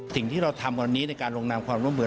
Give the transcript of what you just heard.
สิ่งที่เราทำวันนี้ในการลงนามความร่วมมือ